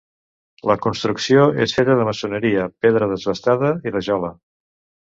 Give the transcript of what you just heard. La construcció és feta de maçoneria, pedra desbastada i rajola.